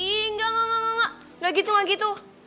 ih enggak enggak enggak enggak enggak enggak gitu enggak gitu